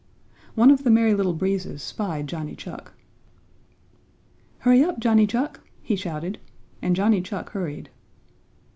One of the Merry Little Breezes spied Johnny Chuck. "Hurry up, Johnny Chuck!" he shouted, and Johnny Chuck hurried.